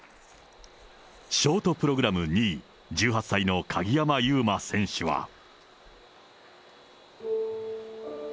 ショートプログラム２位、１８歳の鍵山優真選手は。